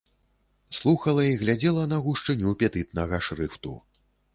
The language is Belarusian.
Слухала і глядзела на гушчыню петытнага шрыфту.